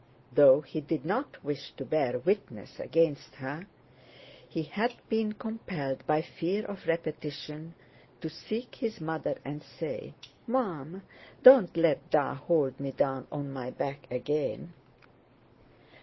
Though he did not wish to bear witness against her, he had been compelled, by fear of repetition, to seek his mother and say: "Mum, don't let 'Da' hold me down on my back again."